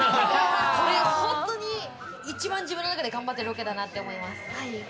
これ本当に、一番自分の中で頑張ってるロケだなって思います。